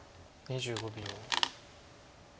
２５秒。